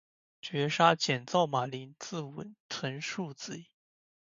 绝杀，减灶马陵自刎，成竖子矣